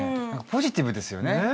ポジティブですよね